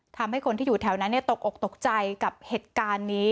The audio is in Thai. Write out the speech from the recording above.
ทำให้คนที่อยู่แถวนั้นตกอกตกใจกับเหตุการณ์นี้